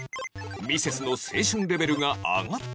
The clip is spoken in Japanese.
ミセスの青春レベルが上がった